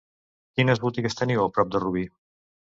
Quines botigues teniu a prop de Rubí?